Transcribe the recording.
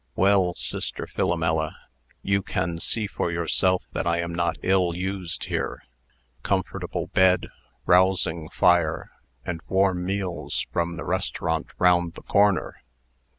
"Well, sister Philomela, you can see for yourself that I am not ill used here. Comfortable bed, rousing fire, and warm meals from the restaurant round the corner!